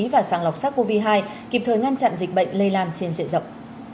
và sẵn lọc sars cov hai kịp thời ngăn chặn dịch bệnh lây lan trên dịa rộng